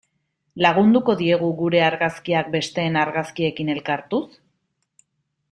Lagunduko diegu gure argazkiak besteen argazkiekin elkartuz?